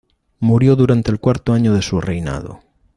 Murió durante el cuarto año de su reinado.